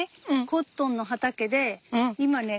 コットンの畑で今ね